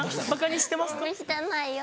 してないよ。